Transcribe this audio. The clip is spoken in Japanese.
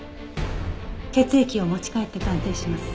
血液を持ち帰って鑑定します。